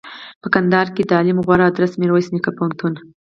په کندهار کښي دتعلم غوره ادرس میرویس نیکه پوهنتون